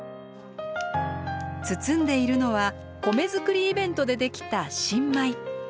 包んでいるのは米作りイベントでできた新米。